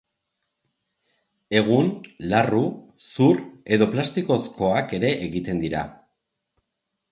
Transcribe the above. Egun, larru, zur edo plastikozkoak ere egiten dira.